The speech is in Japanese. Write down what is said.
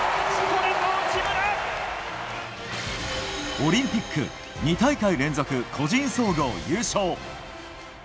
オリンピック２大会連続個人総合優勝。